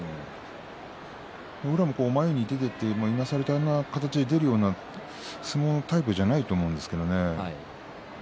宇良も前に出ていっていなされるような相撲のタイプじゃないと思うんですがね。